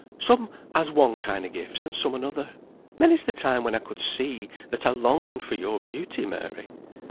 "Some has one kind o' gifts, and some another. Many's the time when I could see, that I longed for your beauty, Mary!